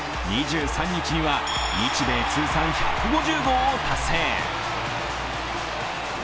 ２３日には、日米通算１５０号を達成。